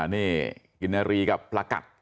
นี่กินนารีกับประกัด